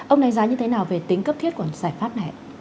ông đánh giá như thế nào về tính cấp thiết của giải pháp này ạ